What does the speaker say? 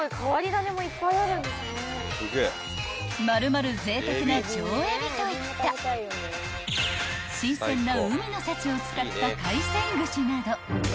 ［丸々ぜいたくな上エビといった新鮮な海の幸を使った海鮮串など］